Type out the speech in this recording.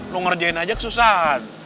lu ngerjain aja kesusahan